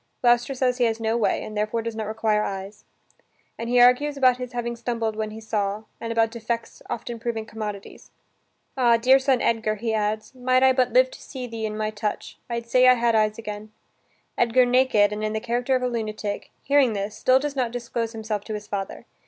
Gloucester says he has no way and therefore does not require eyes. And he argues about his having stumbled when he saw, and about defects often proving commodities. "Ah! dear son Edgar," he adds, "might I but live to see thee in my touch, I'd say I had eyes again." Edgar naked, and in the character of a lunatic, hearing this, still does not disclose himself to his father.